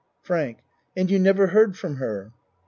FRANK And you never heard from her?